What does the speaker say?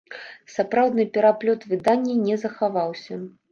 Сапраўдны пераплёт выдання не захаваўся.